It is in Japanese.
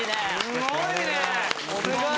すごいね！